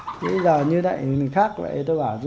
thì bây giờ như thế này